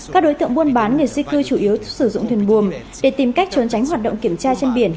các đối tượng buôn bán người di cư chủ yếu sử dụng thuyền buồm để tìm cách trốn tránh hoạt động kiểm tra trên biển